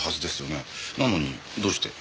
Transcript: なのにどうして。